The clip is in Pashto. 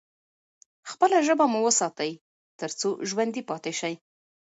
خپله ژبه مو وساتئ ترڅو ژوندي پاتې شئ.